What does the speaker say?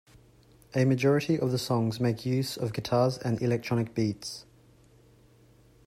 A majority of the songs make use of guitars and electronic beats.